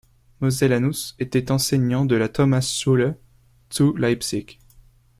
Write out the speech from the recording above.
Mosellanus était enseignant de la Thomasschule zu Leipzig.